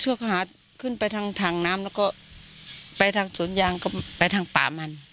ช่วยเขาหาขึ้นไปทางถังน้ำแล้วก็ไปทางสวนยางก็ไปทางป่ามัน